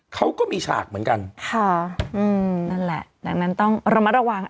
เขาก็มีฉากเหมือนกันค่ะอืมนั่นแหละดังนั้นต้องระมัดระวัง